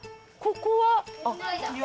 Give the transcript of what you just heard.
ここは？